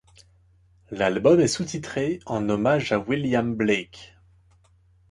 L'album est sous titré en hommage à William Blake.